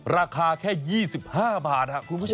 ราคาแค่๒๕บาทครับคุณผู้ชม